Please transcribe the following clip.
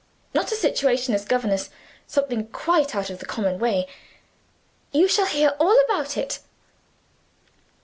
Not a situation as governess something quite out of the common way. You shall hear all about it."